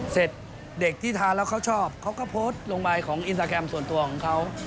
เสร็จเด็กที่ทานแล้วเขาชอบเขาก็โพสต์ลงไปของอินสตาแกรมส่วนตัวของเขา